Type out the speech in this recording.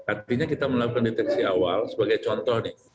artinya kita melakukan deteksi awal sebagai contoh nih